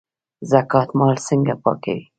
زکات مال څنګه پاکوي؟